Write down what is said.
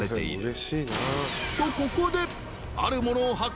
［とここで］